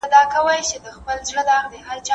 سوسياليستي نظام د فرد ګټه نه ګوري.